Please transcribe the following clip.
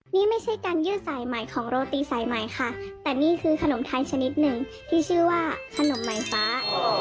นี่ไม่ใช่การยืดสายใหม่ของโรตีสายใหม่ค่ะแต่นี่คือขนมไทยชนิดหนึ่งที่ชื่อว่าขนมใหม่ฟ้า